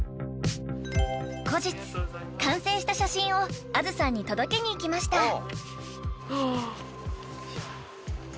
［後日完成した写真を安珠さんに届けに行きました］